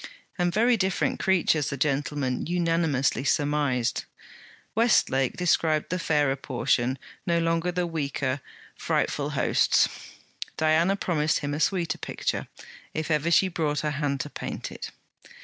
And very different creatures! the gentlemen unanimously surmised. Westlake described the fairer portion, no longer the weaker; frightful hosts. Diana promised him a sweeter picture, if ever she brought her hand to paint it.